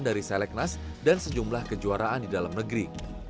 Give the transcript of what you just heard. dari seleknas dan sejumlah kejuaraan di dalam negeri